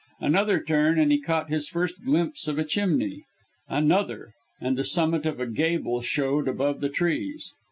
Another turn, and he caught his first glimpse of a chimney; another and the summit of a gable showed above the trees.